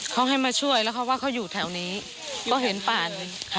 เขาให้มาช่วยแล้วเขาว่าเขาอยู่แถวนี้ก็เห็นป่าน